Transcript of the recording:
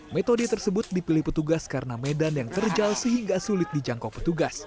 metode tersebut dipilih petugas karena medan yang terjal sehingga sulit dijangkau petugas